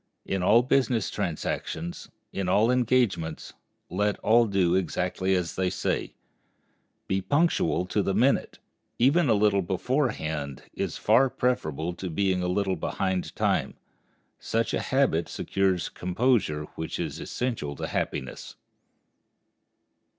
In all business transactions, in all engagements, let all do exactly as they say,—be punctual to the minute; even a little beforehand is far preferable to being a little behind time. Such a habit secures a composure which is essential to happiness.